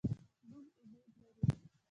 مونږ امید لرو